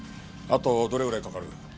あとどれぐらいかかる？